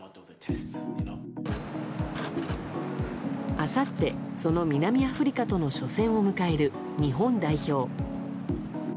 あさって、その南アフリカとの初戦を迎える日本代表。